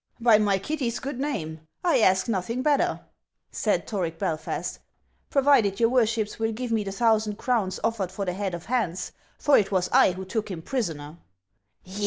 " By my Kitty's good name ' I ask nothing better," said Toric Belfast, " provided your worships will give me the thousand crowns offered for the head of Hans, for it was I who took him prisoner."